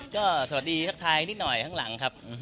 ก็สวัสดีทักทายนิดหน่อยข้างหลังครับ